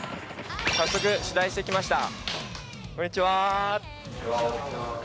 早速取材してきました。